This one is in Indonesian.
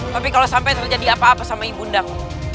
tapi kalau sampai terjadi apa apa sama ibu undang